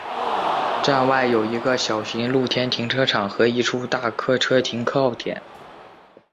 站外有一个小型露天停车场和一处大客车停靠点。